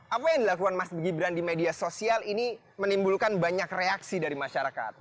apa yang dilakukan mas gibran di media sosial ini menimbulkan banyak reaksi dari masyarakat